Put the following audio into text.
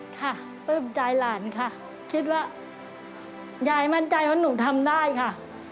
ค่ะประจำใจหลานค่ะคิดว่ายายมั่นใจเพราะหนูทำได้ค่ะ